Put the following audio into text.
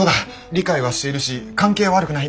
理解はしているし関係は悪くない。